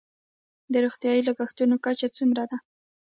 د روغتیايي لګښتونو کچه څومره ده؟